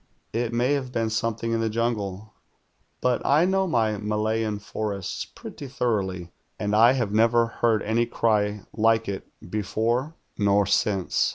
It may have been something in the jungle, but I know my Malayan forests pretty thoroughly, and I have never heard any cry like it before nor since.